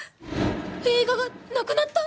映画がなくなった！？